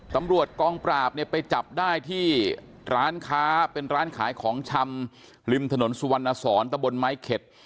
ตำรวจกองปราบเนี่ยไปจับได้ที่ร้านค้าเป็นร้านขายของชำริมถนนสุวรรณสอนตะบนไม้เข็ด